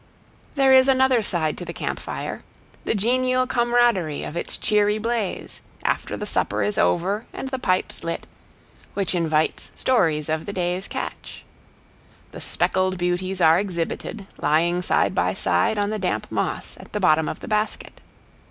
There is another side to the camp fire: the genial comradery of its cheery blaze, after the supper is over and the pipes lit, which invites stories of the day's catch. The speckled beauties are exhibited, lying side by side on the damp moss at the bottom of the basket.